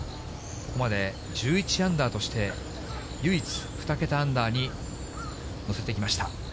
ここまで１１アンダーとして、唯一２桁アンダーに乗せてきました。